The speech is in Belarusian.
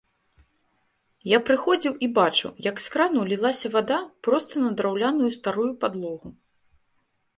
Я прыходзіў і бачыў, як з кранаў лілася вада проста на драўляную старую падлогу.